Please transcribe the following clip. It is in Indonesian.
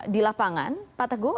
di lapangan pak teguh